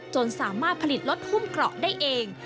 จนสามารถผลิตรถหุ้มเกราะได้เอง